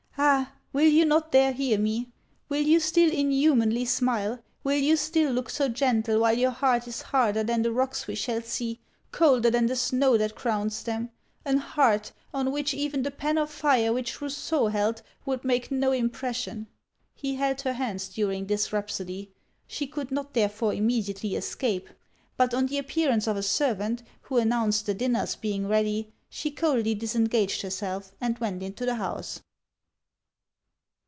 Ah! will you not there hear me? Will you still inhumanly smile; will you still look so gentle, while your heart is harder than the rocks we shall see colder than the snow that crowns them! an heart on which even the pen of fire which Rousseau held would make no impression!' He held her hands during this rhapsody. She could not therefore immediately escape. But on the appearance of a servant, who announced the dinner's being ready, she coldly disengaged herself and went into the house.